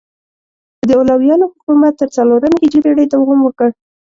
د علویانو حکومت تر څلورمې هجري پیړۍ دوام وکړ.